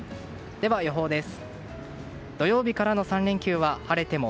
では予報です。